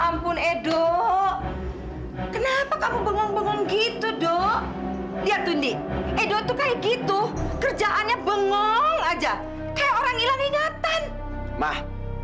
masa ada cowok yang belum nikah